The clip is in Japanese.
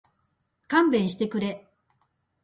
勘弁してくれ